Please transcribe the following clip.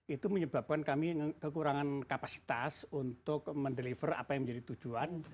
itu menyebabkan kami kekurangan kapasitas untuk mendeliver apa yang menjadi tujuan